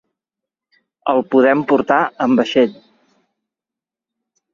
El podem portar amb vaixell.